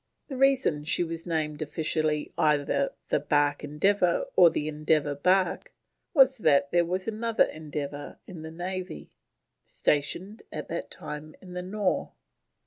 The reason she was named officially either the Bark Endeavour or Endeavour Bark, was that there was another Endeavour in the Navy, stationed at that time at the Nore.